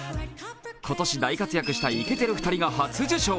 今年大活躍したイケてる２人が初受賞。